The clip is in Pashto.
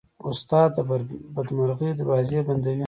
استاد د بدمرغۍ دروازې بندوي.